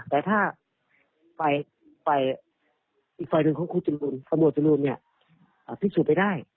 แต่ถ้าไฟลนึงของอับวถสูรนู้นนี้พิสูจน์ไปได้